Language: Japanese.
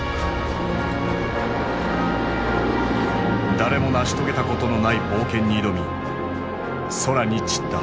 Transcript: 誰も成し遂げたことのない冒険に挑み空に散った。